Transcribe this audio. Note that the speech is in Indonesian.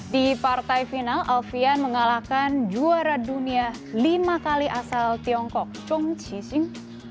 di partai final alvian mengalahkan juara dunia lima kali asal tiongkok chong chi sing